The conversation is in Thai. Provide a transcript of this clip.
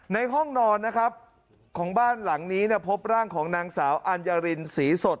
ห้องนอนนะครับของบ้านหลังนี้เนี่ยพบร่างของนางสาวอัญญารินศรีสด